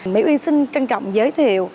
mỹ uyên xin trân trọng giới thiệu